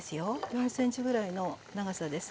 ４ｃｍぐらいの長さです